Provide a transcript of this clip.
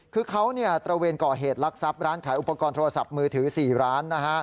คือเขาตระเวนก่อเหตุลักษัพร้านขายอุปกรณ์โทรศัพท์มือถือ๔ร้านนะฮะ